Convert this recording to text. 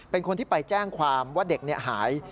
เป็นคนที่ไปแจ้งความว่าเด็กหาย